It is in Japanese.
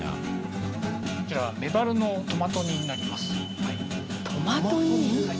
こちらメバルのトマト煮になります。